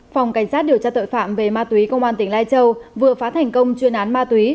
phòng cảnh sát điều tra tội phạm về ma túy công an tỉnh lai châu vừa phá thành công chuyên án ma túy